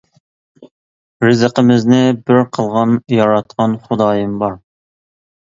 رىزقىمىزنى بىر قىلغان، ياراتقان خۇدايىم بار.